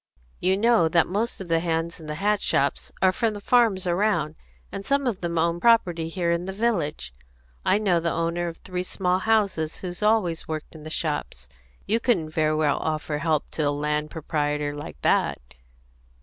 "You know that most of the hands in the hat shops are from the farms around; and some of them own property here in the village. I know the owner of three small houses who's always worked in the shops. You couldn't very well offer help to a landed proprietor like that?"